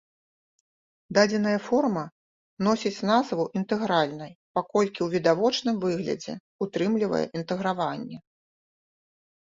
Дадзеная форма носіць назву інтэгральнай, паколькі ў відавочным выглядзе ўтрымлівае інтэграванне.